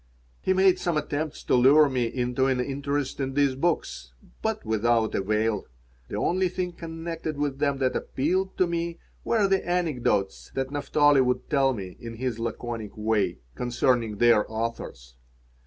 He made some attempts to lure me into an interest in these books, but without avail. The only thing connected with them that appealed to me were the anecdotes that Naphtali would tell me, in his laconic way, concerning their authors.